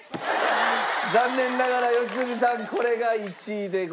残念ながら良純さんこれが１位でございます。